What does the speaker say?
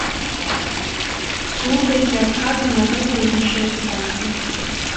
Слухайце адказы на гэтыя і іншыя пытанні.